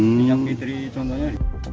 minyak fitri contohnya